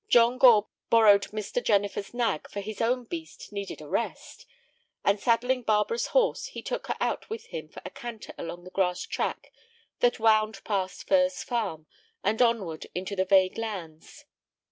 John Gore borrowed Mr. Jennifer's nag, for his own beast needed a rest, and, saddling Barbara's horse, he took her out with him for a canter along the grass track that wound past Furze Farm and onward into the vague lands.